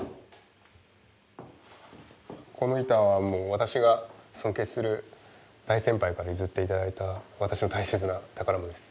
この板は私が尊敬する大先輩から譲って頂いた私の大切な宝物です。